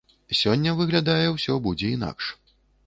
Сёння, выглядае, усё будзе інакш.